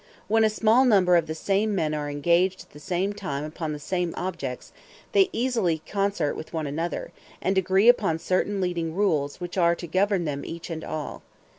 When a small number of the same men are engaged at the same time upon the same objects, they easily concert with one another, and agree upon certain leading rules which are to govern them each and all.